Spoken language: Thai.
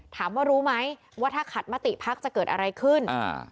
ถามว่ารู้ไหมว่าถ้าขัดมติภักดิ์จะเกิดอะไรขึ้นอ่า